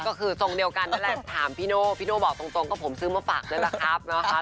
ก็คือตรงเดียวกันนะครับถามพี่โน่พี่โน่บอกตรงก็ผมซื้อมาฝากด้วยแหละนะครับ